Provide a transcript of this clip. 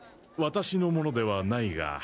ワタシのものではないが。